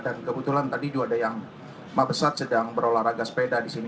dan kebetulan tadi juga ada yang mabesat sedang berolahraga sepeda di sini